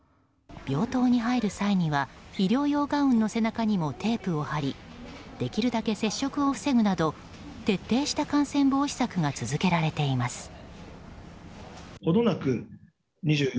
病棟に入る際には医療用ガウンの背中にもテープを貼りできるだけ接触を防ぐなど徹底した感染防止策が続けられています。